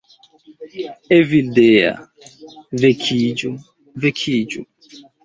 "Evildea... vekiĝu... vekiĝu..."